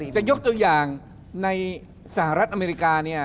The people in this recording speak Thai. จะยกตัวอย่างในสหรัฐอเมริกาเนี่ย